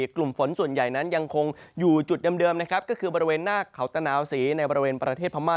กลุ่มฝนส่วนใหญ่นั้นยังคงอยู่จุดเดิมนะครับก็คือบริเวณหน้าเขาตะนาวศรีในบริเวณประเทศพม่า